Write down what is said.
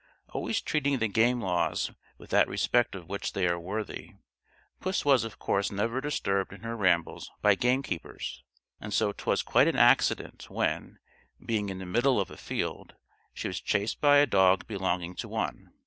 Always treating the game laws with that respect of which they are worthy, puss was of course never disturbed in her rambles by gamekeepers; and so 'twas quite an accident when, being in the middle of a field, she was chased by a dog belonging to one.